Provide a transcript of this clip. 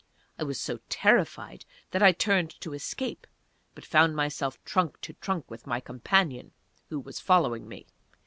I was so terrified that I turned to escape, but found myself trunk to trunk with my companion, who was following me.